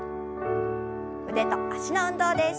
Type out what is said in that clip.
腕と脚の運動です。